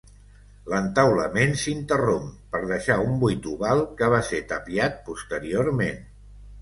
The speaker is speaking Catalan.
L'entaulament s'interromp per deixar un buit oval, que va ser tapiat posteriorment.